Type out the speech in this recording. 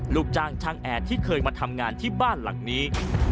ลูกจ้างช่างแอร์ที่เคยมาทำงานที่บ้านหลังนี้